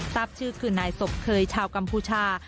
ทราบชื่อคือนายศพเคยชาวกัมพูชา